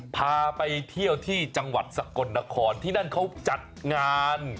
พาไปเที่ยวที่จังหวัดสกลนครที่นั่นเขาจัดงาน